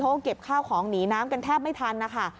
เก็บข้าวของหนีน้ำกันแทบไม่ทันนะคะ